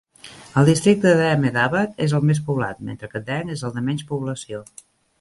El districte d'Ahmedabad és el més poblat, mentre que Dang és el de menys població.